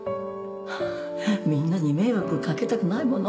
みんなに迷惑掛けたくないもの